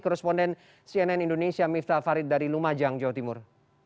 koresponden cnn indonesia miftah farid dari lumajang jawa timur